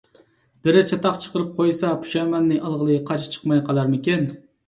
بىرى چاتاق چىقىرىپ قويسا، پۇشايماننى ئالغىلى قاچا چىقماي قالارمىكىن.